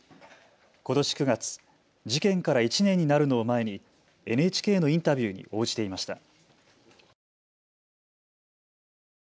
ことし９月、事件から１年になるのを前にＮＨＫのインタビューに応じていました。